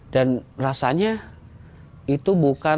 dan rasanya itu bukan membantu untuk membilikannya